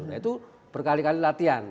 nah itu berkali kali latihan